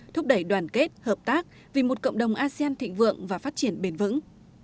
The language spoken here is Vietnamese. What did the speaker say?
thúc đẩy đoàn kết hợp tác vì một cộng đồng asean thịnh vượng và phát triển bền vững